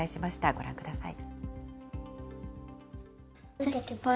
ご覧ください。